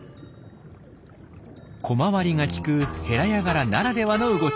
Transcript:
小回りが利くヘラヤガラならではの動き。